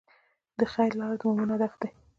د خیر لاره د مؤمن هدف دی.